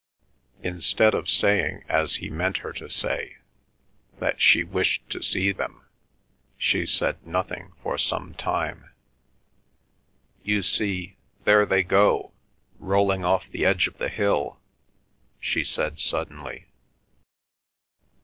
Instead of saying, as he meant her to say, that she wished to see them, she said nothing for some time. "You see, there they go, rolling off the edge of the hill," she said suddenly.